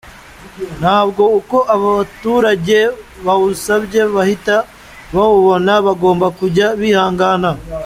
Ntabwo uko abaturage bawusabye bahita bawubona bagomba kujya bihangana”.